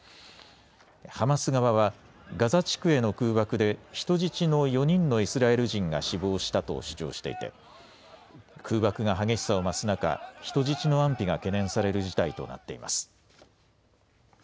ハマス側はガザ地区への空爆で人質の４人のイスラエル人が死亡したと主張していて空爆が激しさを増す中、人質の安否が懸念される事態となっています。